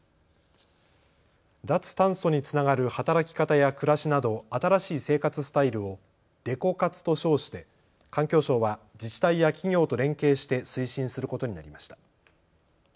脱炭素につながる働き方や暮らしなど新しい生活スタイルをデコ活と称して環境省は自治体や企業と連携して推進することになりました。